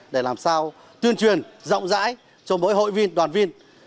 để làm sao tuyên truyền rộng rãi cho mỗi hội viên đoàn viên